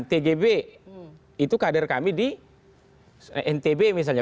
tgb itu kader kami di ntb misalnya